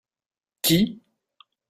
Qui ?